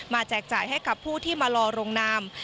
แจกจ่ายให้กับผู้ที่มารอลงนาม